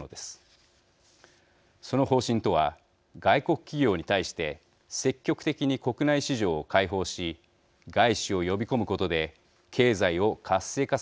その方針とは外国企業に対して積極的に国内市場を開放し外資を呼び込むことで経済を活性化させるというものです。